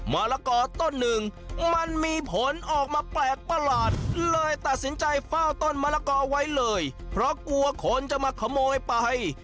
มะละกอต้นหนึ่งมันมีผลออกมาแปลกประหลาดเลยตัดสินใจเฝ้าต้นมะละกอไว้เลยเพราะกลัวคนจะมาขโมยไป